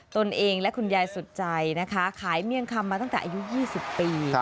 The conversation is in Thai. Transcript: ตนเองและคุณยายสุดใจนะคะขายเมี่ยงคำมาตั้งแต่อายุ๒๐ปี